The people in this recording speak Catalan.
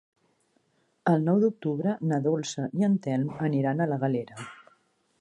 El nou d'octubre na Dolça i en Telm aniran a la Galera.